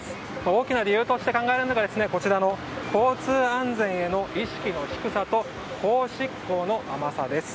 大きな理由として考えられるのが交通安全意識の低さと法執行の甘さです。